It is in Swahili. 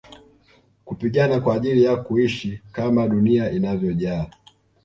Kupigana kwa ajili ya kuishi kama dunia inavyojaa